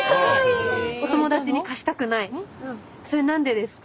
それは何でですか？